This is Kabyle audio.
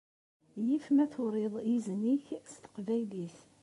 Yif ma turiḍ izen-ik s teqbaylit.